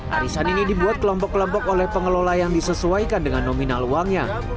arisan ini dibuat kelompok kelompok oleh pengelola yang disesuaikan dengan nominal uangnya